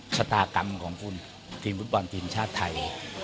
ชะตากรรมของคุณทีมฟุตบอลทีมชาติไทย